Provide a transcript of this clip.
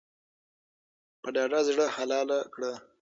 په ډاډه زړه حلال کړه.